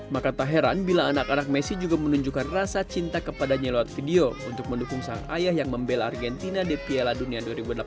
maka tak heran bila anak anak messi juga menunjukkan rasa cinta kepadanya lewat video untuk mendukung sang ayah yang membela argentina di piala dunia dua ribu delapan belas